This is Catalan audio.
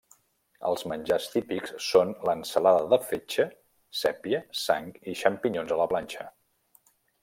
Els menjars típics són l'ensalada de fetge, sèpia, sang i xampinyons a la planxa.